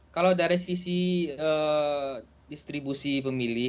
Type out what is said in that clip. kalau dari sisi distribusi pemilih